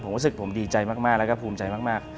ผมรู้สึกผมดีใจมากแล้วก็ภูมิใจมาก